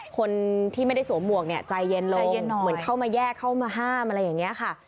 คนที่ไม่ได้สวมหมวกเนี่ยใจเย็นเลยเหมือนเข้ามาแยกเข้ามาห้ามอะไรอย่างนี้ค่ะ